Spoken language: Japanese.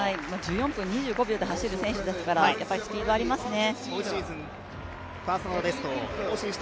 １４分２５秒で走る選手ですからやっぱりスピードありますね。